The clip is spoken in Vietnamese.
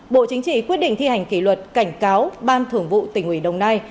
bộ chính trị quyết định thi hành kỷ luật cảnh cáo ban thưởng vụ tỉnh ủy đồng nai